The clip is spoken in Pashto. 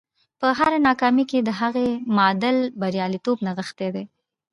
په هره ناکامي کې د هغې معادل برياليتوب نغښتی دی.